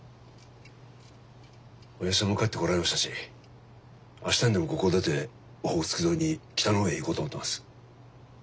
おやじさんも帰ってこられましたし明日にでもここを出てオホーツク沿いに北の方へ行こうと思ってます。